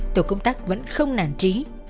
tổ công tác vẫn không nản trí